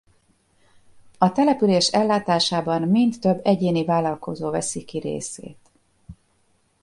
A település ellátásában mind több egyéni vállalkozó veszi ki részét.